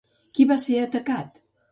Qui va ser atacat?